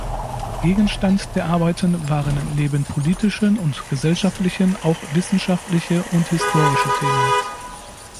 Gegenstand der Arbeiten waren neben politischen und gesellschaftlichen auch wissenschaftliche und historische Themen.